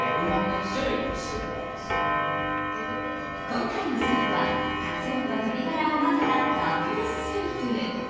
今回のスープはカツオと鶏がらを混ぜたダブルスープ。